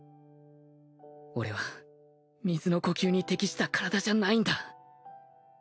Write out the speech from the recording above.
俺は水の呼吸に適した体じゃないんだ